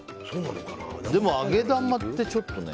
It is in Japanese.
でも揚げ玉って、ちょっとね。